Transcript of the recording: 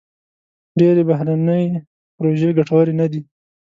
ډېری بهرني پروژې ګټورې نه دي.